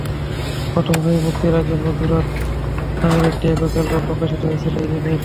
প্রথম ছবি মুক্তির আগে মধুরাত নামের একটি একক অ্যালবাম প্রকাশিত হয়েছিল ইরিনের।